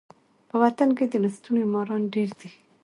په وطن کي د لستوڼي ماران ډیر دي.